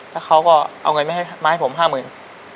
แล้วเขาก็เอาเงินมาให้ผมห้าหมื่น